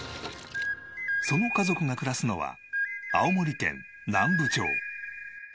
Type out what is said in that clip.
その家族が暮らすのは青森県南部町。